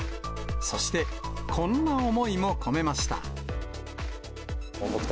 そして、こんな思いも込めました。